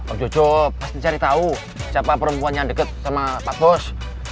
oh jojo pasti cari tahu siapa perempuan yang deket sama pak bos